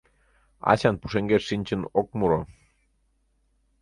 Асян пушеҥгеш шинчын ок муро.